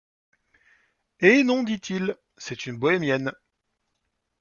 Hé non! dit-il, c’est une bohémienne.